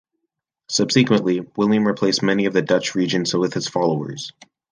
Subsequently, William replaced many of the Dutch regents with his followers.